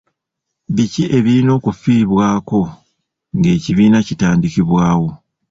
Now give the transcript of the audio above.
Biki ebirina okifiibwako ng'ekibiina kitandikibwawo?